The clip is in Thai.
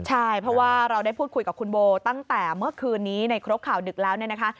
ใช่เพราะว่าเราได้พูดคุยกับคุณโบตั้งแต่เมื่อคืนนี้ในครบข่าวดึกแล้วเนี่ยนะคะ